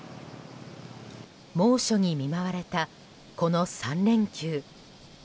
猛暑に見舞われたこの３連休。